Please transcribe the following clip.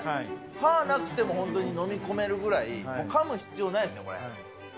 歯、なくても本当に飲み込めるぐらい、かむ必要ないですね。